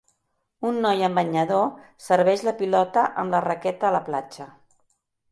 Un noi amb banyador serveix la pilota amb la raqueta a la platja.